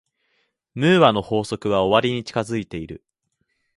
ムーアの法則は終わりに近づいている。